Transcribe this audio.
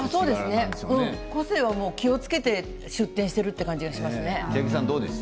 その辺は気をつけて出店している感じですね。